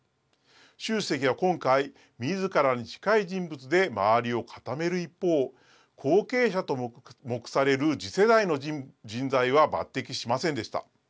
習主席は今回みずからに近い人物で周りを固める一方後継者と目される次世代の人材は抜てきしませんでした。